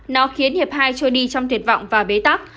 nó khiến hiệp hai trôi đi trong tuyệt vọng và bế tắc